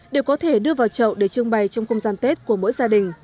đều có thể đưa vào chậu để trưng bày trong không gian tết của mỗi gia đình